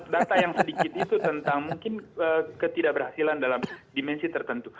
data yang sedikit itu tentang mungkin ketidakberhasilan dalam dimensi tertentu